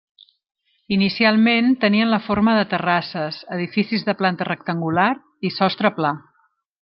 Inicialment tenien la forma de terrasses, edificis de planta rectangular i sostre pla.